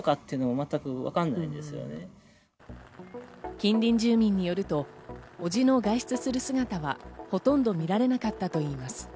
近隣住民によると伯父の外出する姿はほとんど見られなかったといいます。